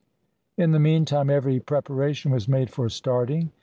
In the meantime every preparation was made for starting.